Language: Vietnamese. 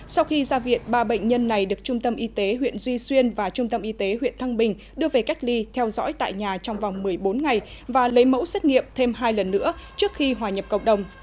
sau khi ra viện ba bệnh nhân này được trung tâm y tế huyện duy xuyên và trung tâm y tế huyện thăng bình đưa về cách ly theo dõi tại nhà trong vòng một mươi bốn ngày và lấy mẫu xét nghiệm thêm hai lần nữa trước khi hòa nhập cộng đồng